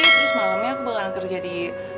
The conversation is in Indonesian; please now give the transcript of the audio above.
terus malamnya aku bakal kerja di